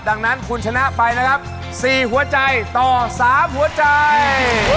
ดังนั้นคุณชนะไปนะครับ๔หัวใจต่อ๓หัวใจ